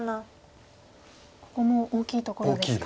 ここも大きいところですか。